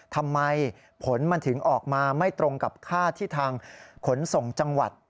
ทำไมผลมันถึงออกมาไม่ตรงกับค่าที่ทางขนส่งจังหวัด